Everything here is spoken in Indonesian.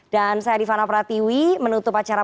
dan saya divana pratiwi menutup acara